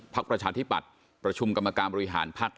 ประชาธิปัตย์ประชุมกรรมการบริหารภักดิ